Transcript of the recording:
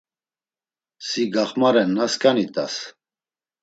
Si gaxmarenna skani t̆as.